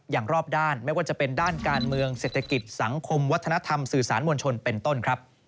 รอบด้านไม่ว่าจะเป็นด้านการเมืองเศรษฐกิจสังคมวัฒนธรรมสื่อสารมวลชนเป็นต้นครับ